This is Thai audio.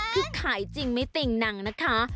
คือขายจริงไม่ติ่งหนังนะคะ